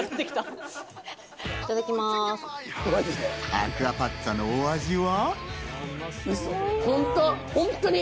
アクアパッツァのお味は？